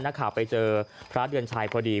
นักข่าวไปเจอพระเดือนชัยพอดี